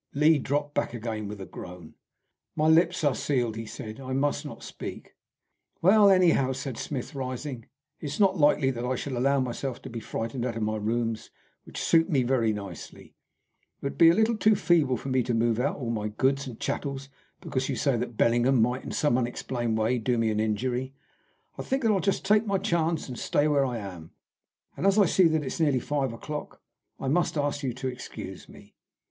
Lee dropped back again with a groan. "My lips are sealed," he said. "I must not speak." "Well, anyhow," said Smith, rising, "it is not likely that I should allow myself to be frightened out of rooms which suit me very nicely. It would be a little too feeble for me to move out all my goods and chattels because you say that Bellingham might in some unexplained way do me an injury. I think that I'll just take my chance, and stay where I am, and as I see that it's nearly five o'clock, I must ask you to excuse me."